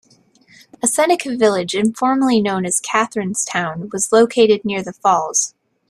A Seneca village informally known as Catharine's Town was located near the falls.